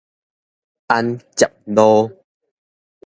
安捷路